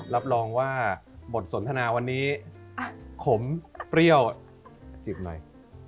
รับรองว่าบทสนทนาวันนี้ขมเปรี้ยวจิบหน่อย